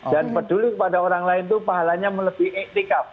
dan peduli pada orang lain itu pahalanya melebihi ikhtikaf